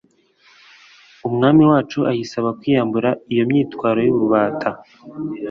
Umwami wacu ayisaba kwiyambura iyo mitwaro y'ububata,